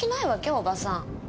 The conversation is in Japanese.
おばさん。